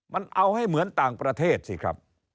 มันเอาให้เหมือนต่างประเทศสิครับ